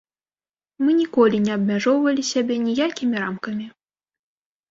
Мы ніколі не абмяжоўвалі сябе ніякімі рамкамі.